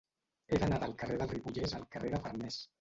He d'anar del carrer del Ripollès al carrer de Farnés.